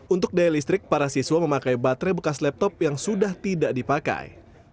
untuk daya listrik para siswa memakai baterai bekas laptop yang sudah tidak dipakai